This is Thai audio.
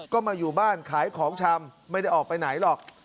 ก็มาอยู่บ้านขายของชำไม่ได้ออกไปไหนหรอก